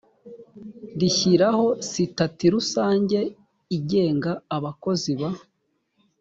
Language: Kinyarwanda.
rishyiraho sitati rusange igenga abakozi ba